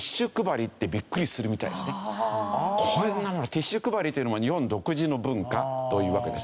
ティッシュ配りというのも日本独自の文化というわけです。